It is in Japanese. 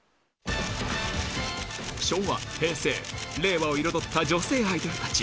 昭和、平成、令和を彩った女性アイドルたち。